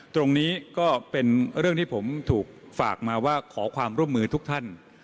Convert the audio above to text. ตรงนี้ก็เป็นเรื่องที่ผมถูกฝากมาว่าขอความร่วมมือทุกท่าน